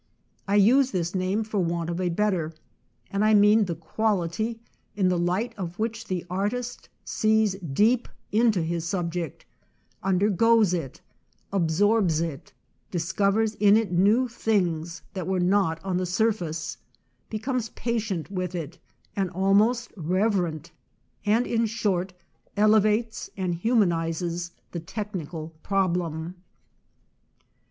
I use this name for want of a better, and I mean the quality in the light of which the artist sees deep into his subject, undergoes it, absorbs it, discovers in it new things that were not on the surface, becomes patient with it, and almost rev erent, and, in short, elevates and human izes the technical problem.